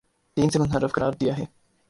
دین سے منحرف قرار دیا ہے